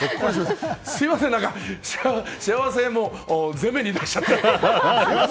すみません、何か幸せを前面に出しちゃって。